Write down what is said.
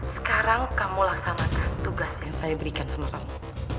sekarang kamu laksanakan tugas yang saya berikan sama kamu